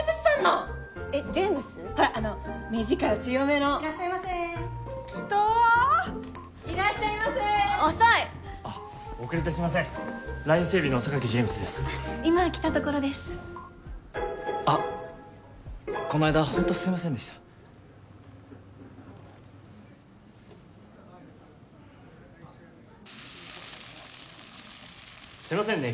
すいませんね